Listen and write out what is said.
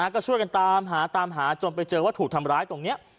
ก็ช่วยกันตามหาตามหาจนไปเจอว่าถูกทำร้ายตรงนี้